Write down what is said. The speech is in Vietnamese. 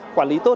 quản lý tốt